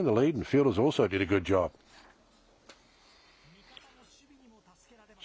味方の守備にも助けられました。